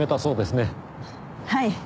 はい。